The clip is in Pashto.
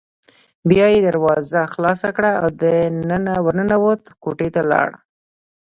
بیا یې دروازه خلاصه کړه او دننه ور ننوت، کوټې ته لاړ.